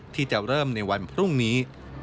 ที่จะเริ่มในวันพรุ่งนี้